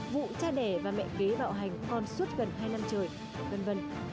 vụ cha đẻ và mẹ ghế bạo hành còn suốt gần hai năm trời v v